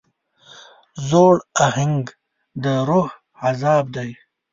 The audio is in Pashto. زوړ اهنګ د روح عذاب دی.